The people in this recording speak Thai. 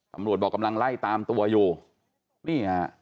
สำรวจบอกกำลังไล่ตามตัวอยู่